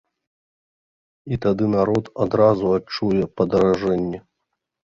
І тады народ адразу адчуе падаражэнні.